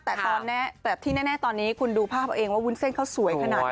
แต่ที่แน่ตอนนี้คุณดูภาพเอาเองว่าวุ้นเส้นเขาสวยขนาดไหน